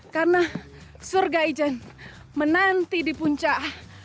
karena surga ijen menanti di puncak